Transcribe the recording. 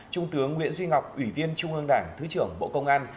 trung tướng nguyễn duy ngọc ủy viên trung ương đảng thứ trưởng bộ công an